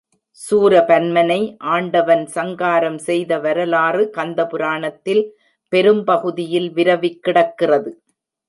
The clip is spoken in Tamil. சூரபன்மனை ஆண்டவன் சங்காரம் செய்த வரலாறு கந்த புராணத்தில் பெரும்பகுதியில் விரவிக் கிடக்கிறது.